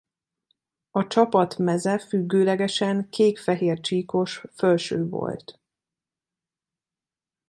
A csapat meze függőlegesen kék-fehér csíkos fölső volt.